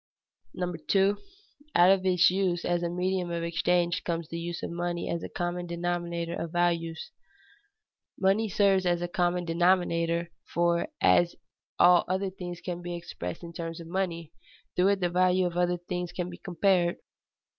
[Sidenote: The use of money as a common denominator] 2. Out of its use as a medium of exchange comes the use of money as a common denominator of values. Money serves as a "common denominator," for, as all other things can be expressed in terms of money, through it the value of other things can be compared.